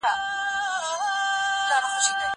زه اجازه لرم چي سبزیجات پاختم،